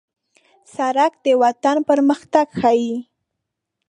سړک د وطن پرمختګ ښيي.